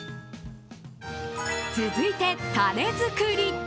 続いて、タレ作り。